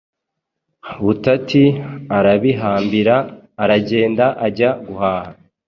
butati arabihambira aragenda ajya guhaha